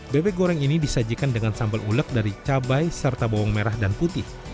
bebek goreng ini disajikan dengan sambal ulek dari cabai serta bawang merah dan putih